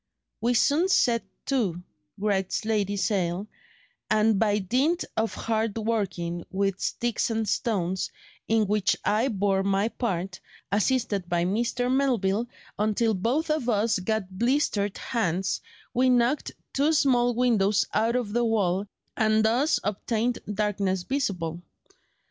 "We soon set to," writes Lady Sale, "and by dint of hard working with sticks and stones, in which I bore my part, assisted by Mr. Melville, until both of us got blistered hands, we knocked two small windows out of the wall, and thus obtained 'darkness visible.